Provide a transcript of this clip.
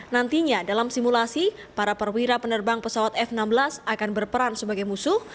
nantinya dalam simulasi para perwira penerbang pesawat f enam belas akan berperan sebagai musuh